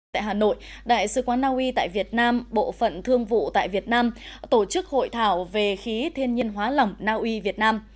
tại hà nội đại sứ quán naui tại việt nam bộ phận thương vụ tại việt nam tổ chức hội thảo về khí thiên nhiên hóa lỏng naui việt nam